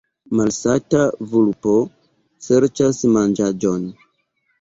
Malsata vulpo serĉas manĝaĵon.